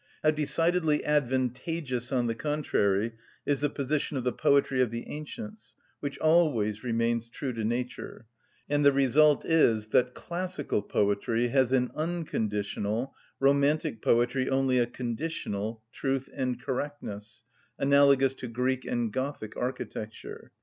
How decidedly advantageous, on the contrary, is the position of the poetry of the ancients, which always remains true to nature; and the result is that classical poetry has an unconditional, romantic poetry only a conditional, truth and correctness; analogous to Greek and Gothic architecture.